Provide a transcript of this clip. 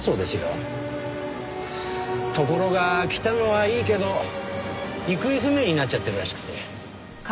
ところが来たのはいいけど行方不明になっちゃってるらしくて。